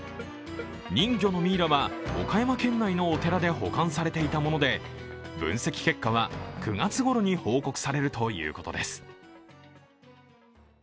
人魚のミイラは、岡山県内のお寺で保管されていたもので分析結果は９月ごろに報告されるということです。